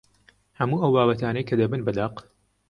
هەموو ئەو بابەتانەی کە دەبن بە دەق